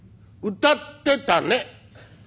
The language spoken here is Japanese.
「歌ってたね」。